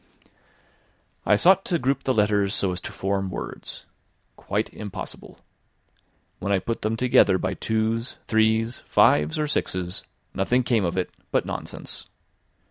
I sought to group the letters so as to form words. Quite impossible! When I put them together by twos, threes, fives or sixes, nothing came of it but nonsense.